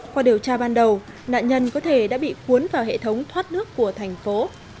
qua điều tra ban đầu nạn nhân có thể đã bị cuốn vào hệ thống thoát nước của thành phố